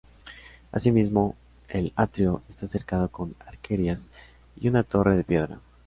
Asimismo el atrio esta cercado con arquerías y una torre de piedra.